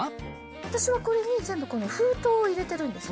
私はこれに全部封筒を入れてるんです。